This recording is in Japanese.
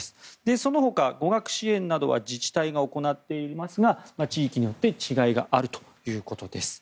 その他、語学支援などは自治体が行っていますが地域によって違いがあるということです。